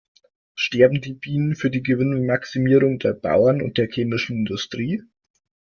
Sterben die Bienen für die Gewinnmaximierung der Bauern und der chemischen Industrie?